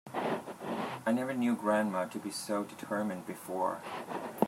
I never knew grandma to be so determined before.